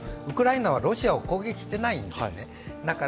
ウクライナはロシアを攻撃していないんですね。